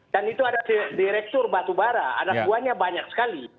dan itu ada direktur batu bara ada suanya banyak sekali